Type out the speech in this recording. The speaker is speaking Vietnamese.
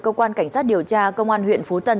cơ quan cảnh sát điều tra công an huyện phú tân